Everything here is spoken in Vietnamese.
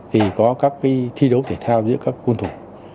thì có các cái thi đấu thể thao giữa các quân thủ